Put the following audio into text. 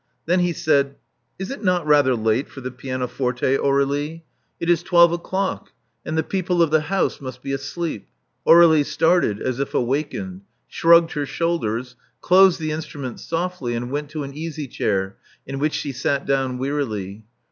Then he said: Is it not rather late for the pianoforte, Aur^lie? 326 Love Among the Artists It is twelve o'clock ; and the people of the house must be asleep." Aur^lie started as if awakened; shrugged her shoulders; closed the instrument softly; and went to an easy chair, in which she sat down wearily.